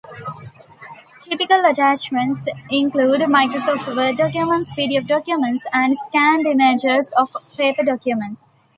Typical attachments include Microsoft Word documents, pdf documents and scanned images of paper documents.